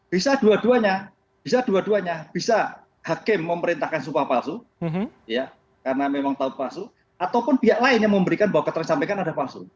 bisa dua duanya bisa dua duanya bisa hakim memerintahkan sumpah palsu karena memang tahu palsu ataupun pihak lain yang memberikan bahwa keterangan disampaikan ada palsu